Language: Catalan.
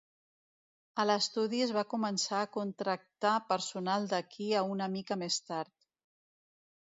A l'estudi es va començar a contractar personal d'aquí a una mica més tard.